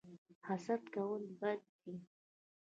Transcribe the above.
حسد کول بد دي